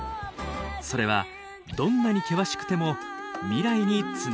それはどんなに険しくても未来につながっていくんです。